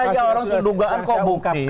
orang sudah dugaan kok bukti